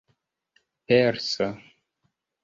persa